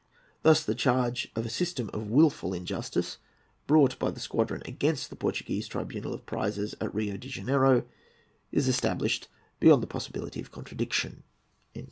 Thus the charge of a system of wilful injustice, brought by the squadron against the Portuguese Tribunal of Prizes at Rio de Janeiro, is established beyond the possibility of contradiction."